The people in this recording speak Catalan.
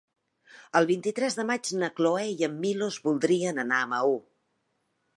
El vint-i-tres de maig na Cloè i en Milos voldrien anar a Maó.